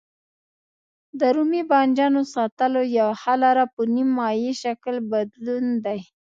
د رومي بانجانو ساتلو یوه ښه لاره په نیم مایع شکل بدلول دي.